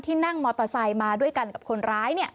ที่นั่งมอเตอร์ไซด์มาด้วยกันกับคนร้ายเนี่ย